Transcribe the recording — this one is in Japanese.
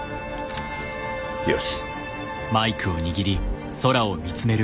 よし。